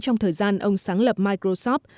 trong thời gian ông sáng lập microsoft